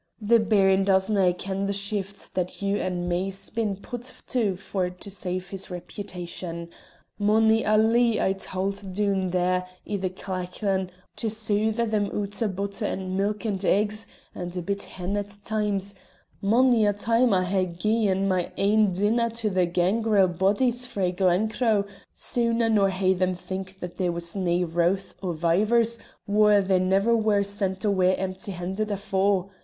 The Baron doesnae ken the shifts that you and me's been put to for to save his repitation. Mony a lee I tauld doon there i' the clachan to soother them oot o' butter and milk and eggs, and a bit hen at times; mony a time I hae gie'n my ain dinner to thae gangrel bodies frae Glencro sooner nor hae them think there was nae rowth o' vivers whaur they never wer sent awa empty haunded afore.